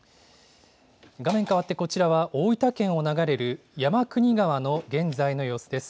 画面変わってこちらは、大分県を流れる山国川の現在の様子です。